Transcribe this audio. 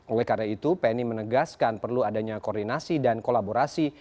oleh karena itu penny menegaskan perlu adanya koordinasi dan kolaborasi